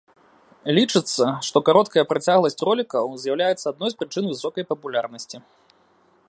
Лічыцца, што кароткая працягласць ролікаў з'яўляецца адной з прычын высокай папулярнасці.